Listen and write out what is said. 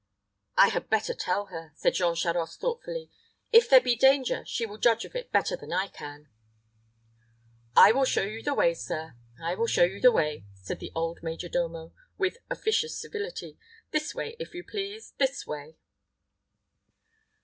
"I had better tell her," said Jean Charost thoughtfully. "If there be danger, she will judge of it better than I can." "I will show you the way, sir I will show you the way," said the old major domo, with officious civility. "This way, if you please this way."